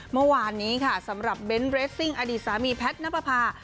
เมื่อวานนี้สำหรับเบ้นเรสซิ้งอดีตสามีแพท์ณปภา